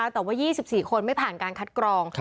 แต่ว่ายี่สิบสี่คนไม่ผ่านการคัดกรอง